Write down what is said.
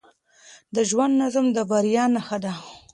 د ژوند نظم د بریا نښه ده.